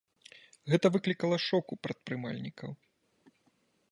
Гэта выклікала шок у прадпрымальнікаў.